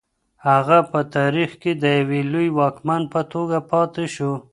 هغه په تاریخ کې د یو لوی واکمن په توګه پاتې شو.